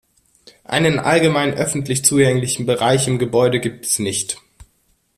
Einen allgemein öffentlich zugänglichen Bereich im Gebäude gibt es nicht.